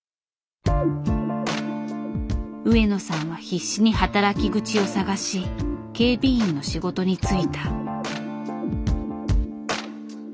上野さんは必死に働き口を探し警備員の仕事に就いた。